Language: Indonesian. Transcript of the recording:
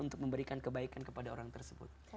untuk memberikan kebaikan kepada orang tersebut